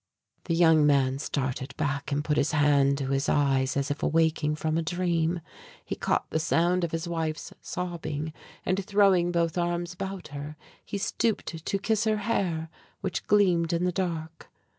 The young man started back and put his hand to his eyes, as if awaking from a dream. He caught the sound of his wife's sobbing, and, throwing both arms about her, he stooped to kiss her hair, which gleamed in the dark.